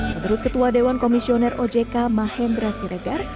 menurut ketua dewan komisioner ojk mahendra siregar